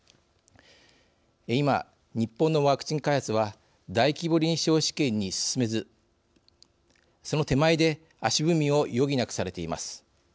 今日本のワクチン開発は大規模臨床試験に進めずその手前で足踏みを余儀なくされています。